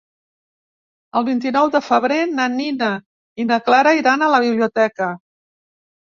El vint-i-nou de febrer na Nina i na Clara iran a la biblioteca.